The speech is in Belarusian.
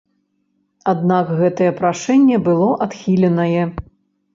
Аднак гэтае прашэнне было адхіленае.